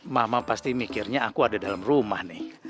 mama pasti mikirnya aku ada dalam rumah nih